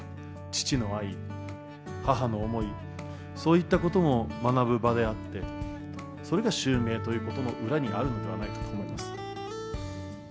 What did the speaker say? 父の愛、母の思い、そういったことも学ぶ場であって、それが襲名ということの裏にあるんではないかと思います。